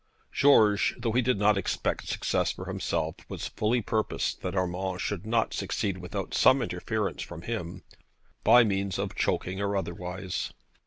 George, though he did not expect success for himself, was fully purposed that Urmand should not succeed without some interference from him, by means of choking or otherwise.